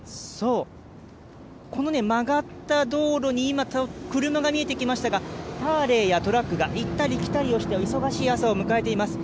この曲がった道路に今、車が見えてきましたが、ターレーやトラックが行ったり来たりして、朝を迎えています。